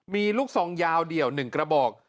มีลูกสองยาวเดียวหนึ่งกระบอก